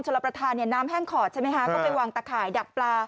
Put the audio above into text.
รับประทานเนี่ยน้ำแห้งขอดใช่ไหมคะก็ไปวางตะข่ายดักปลา